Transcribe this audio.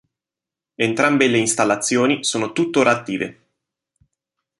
Entrambe le installazioni sono tuttora attive.